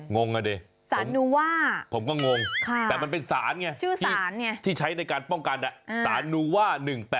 งงอ่ะเด่ผมก็งงแต่มันเป็นสานไงที่ใช้ในการป้องกันสานูว่า๑๘๑๑